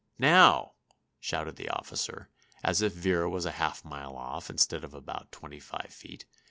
"Now!" shouted the officer, as if Vera was a half mile off, instead of about twenty five feet.